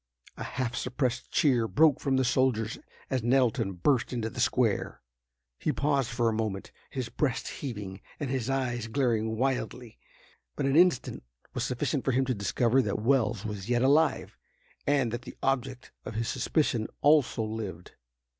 A half suppressed cheer broke from the soldiers, as Nettleton burst into the square. He paused for a moment, his breast heaving, and his eyes glaring wildly. But an instant was sufficient for him to discover that Wells was yet alive, and that the object of his suspicion also lived.